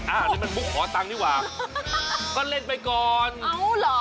อันนี้มันมุกขอตังค์ดีกว่าก็เล่นไปก่อนเอาเหรอ